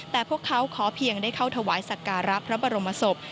แต่พวกเขาขอเพียงได้เข้าถวายสักการะพระบรมศพ